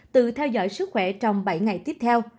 từ theo dõi sức khỏe trong bảy ngày tiếp theo